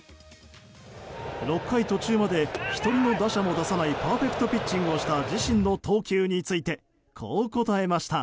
６回途中まで１人も打者を出さないパーフェクトピッチングをした自身の投球についてこう答えました。